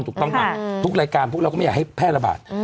ถูกต้องป่ะทุกรายการพวกเราก็ไม่อยากให้แพร่ระบาด